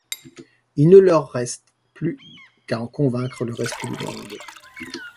Il ne leur reste plus qu'à en convaincre le reste du monde...